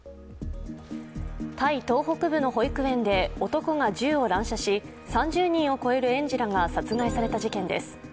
タイ東北部の保育園で男が銃を乱射し３０人を超える園児らが殺害された事件です。